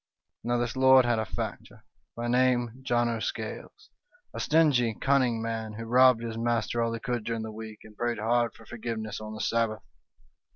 "Now this lord had a factor, by name John o' Scales, a stingy, cunning man, who robbed his master all he could during the week, and prayed hard for forgiveness on the Sabbath.